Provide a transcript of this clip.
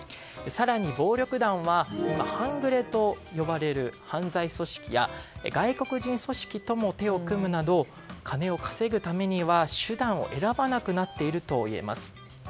更に暴力団は今半グレと呼ばれる犯罪組織や外国人組織とも手を組むなど金を稼ぐためには手段を選ばなくなっているといえます。